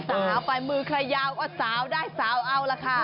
สาวไปมือใครยาวก็สาวได้สาวเอาล่ะค่ะ